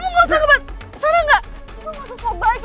udah kamu gak usah ngebantuin